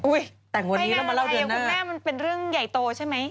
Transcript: อุ้ยแต่งวันนี้แล้วมาเล่าเดือนหน้าคุณแม่มันเป็นเรื่องใหญ่โตใช่ไหม